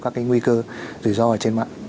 các cái nguy cơ rủi ro ở trên mạng